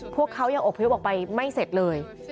พวกเขายังอบพยพออกไปไม่เสร็จเลย